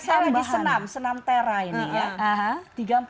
ada mengerasai lagi senam senam terra ini ya